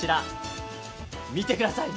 見てください。